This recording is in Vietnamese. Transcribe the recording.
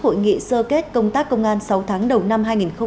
hội nghị sơ kết công tác công an sáu tháng đầu năm hai nghìn hai mươi ba